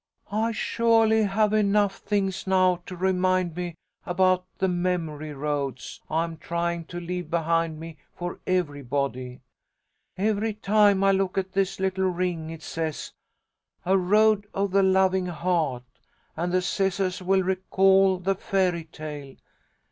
"I suahly have enough things now to remind me about the memory roads I am tryin' to leave behind me for everybody. Every time I look at this little ring it says 'A Road of the Loving Heart.' And the scissahs will recall the fairy tale.